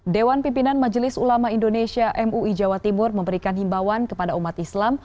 dewan pimpinan majelis ulama indonesia mui jawa timur memberikan himbawan kepada umat islam